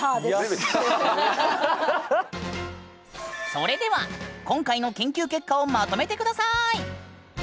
それでは今回の研究結果をまとめて下さい！